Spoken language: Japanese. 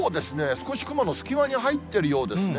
少し雲の隙間に入ってるようですね。